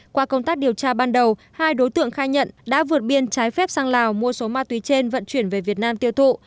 qua công tác điều tra ban đầu hai đối tượng khai nhận đã vượt biên trái phép sang lào mua số ma túy trên vận chuyển về việt nam tiêu thụ